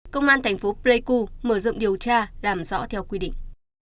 công an tp pleiku mở rộng điều tra đảm rõ theo quy định